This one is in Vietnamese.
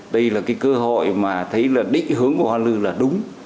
đây là cái cơ hội mà thấy là định hướng của hoa lư là đúng